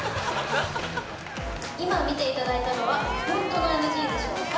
今見ていただいたのはホントのＮＧでしょうか？